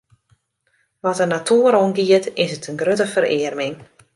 Wat de natoer oangiet, is it in grutte ferearming.